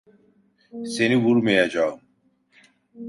Seni vurmayacağım.